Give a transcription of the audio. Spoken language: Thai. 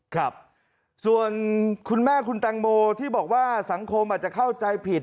ครับส่วนคุณแม่คุณแตงโมที่บอกว่าสังคมอาจจะเข้าใจผิด